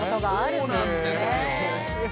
そうなんですよ。